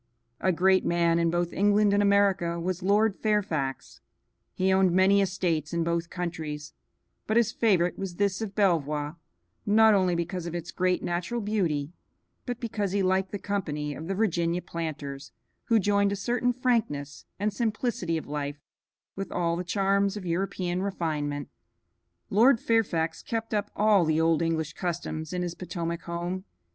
A great man in both England and America was Lord Fairfax; he owned many estates in both countries, but his favorite was this of Belvoir, not only because of its great natural beauty, but because he liked the company of the Virginia planters, who joined a certain frankness and simplicity of life with all the charms of European refinement. Lord Fairfax kept up all the old English customs in his Potomac home.